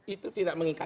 itu tidak mengikat